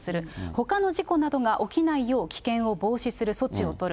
ほかの事故などが起きないよう危険を防止する措置を取る。